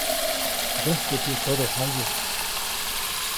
Ndsäjkuʼt yäʼ todojaye.